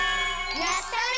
やったね！